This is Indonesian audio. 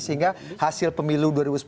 sehingga hasil pemilu dua ribu sembilan belas